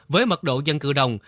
với mật độ dân cửa đồng